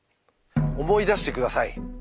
思い出して下さい。